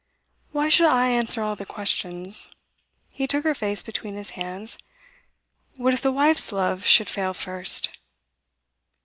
'Why should I answer all the questions?' He took her face between his hands. What if the wife's love should fail first?